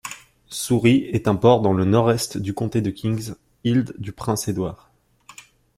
Souris est un port dans le Nord-Est du comté de Kings, Île-du-Prince-Édouard.